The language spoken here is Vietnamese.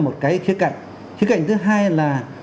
một cái khía cạnh khía cạnh thứ hai là